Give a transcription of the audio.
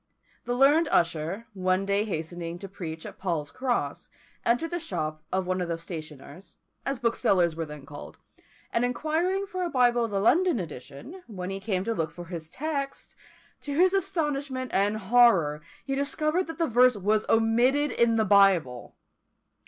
The learned Usher, one day hastening to preach at Paul's Cross, entered the shop of one of the stationers, as booksellers were then called, and inquiring for a Bible of the London edition, when he came to look for his text, to his astonishment and horror he discovered that the verse was omitted in the Bible!